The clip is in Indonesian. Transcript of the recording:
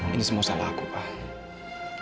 ini semua salah aku pak